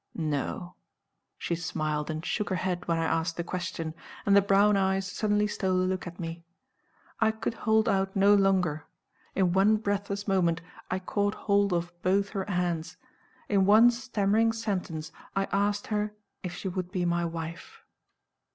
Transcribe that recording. No! she smiled and shook her head when I asked the question, and the brown eyes suddenly stole a look at me. I could hold out no longer In one breathless moment I caught hold of both her hands in one stammering sentence I asked her if she would be my wife.